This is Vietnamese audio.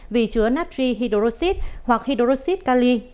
vì chứa natrihydroxid hoặc hydroxid cali